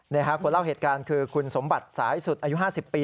นี่ค่ะคนเล่าเหตุการณ์คือคุณสมบัติสายสุดอายุ๕๐ปี